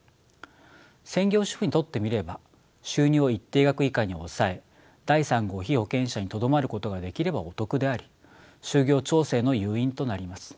専業主婦にとってみれば収入を一定額以下に抑え第３号被保険者にとどまることができればお得であり就業調整の誘因となります。